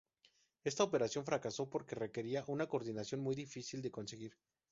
Esta operación fracasó porque requería una coordinación muy difícil de conseguir.